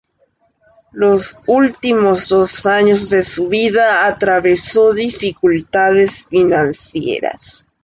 Los últimos dos años de su vida atravesó dificultades financieras.